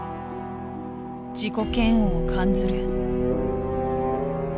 自己嫌悪を感ずる」。